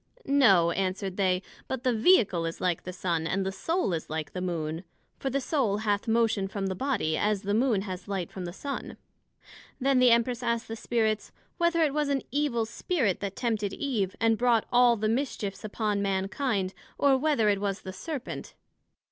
No, answered they; but the Vehicle is like the Sun, and the Soul like the Moon; for the Soul hath motion from the Body, as the Moon has light from the Sun. Then the Empress asked the Spirits, Whether it was an evil Spirit that tempted Eve, and brought all the mischiefs upon Mankind: or, Whether it was the Serpent?